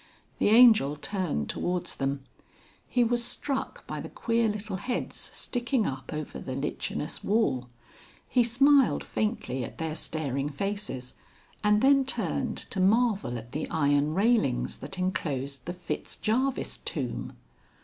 The Angel turned towards them. He was struck by the queer little heads sticking up over the lichenous wall. He smiled faintly at their staring faces, and then turned to marvel at the iron railings that enclosed the Fitz Jarvis tomb.